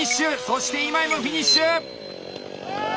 そして今井もフィニッシュ！